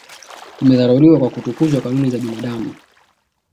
zimedharauliwa na kutukuza kanuni za kibinadamu